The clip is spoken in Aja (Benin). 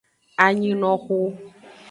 Anyinoxu.